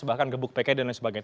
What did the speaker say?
bahkan gebuk pk dan lain sebagainya